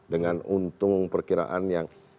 dengan untung perkiraan yang